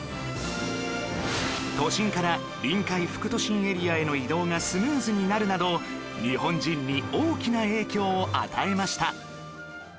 都心から臨海副都心エリアへの移動がスムーズになるなど日本人に大きな影響を与えました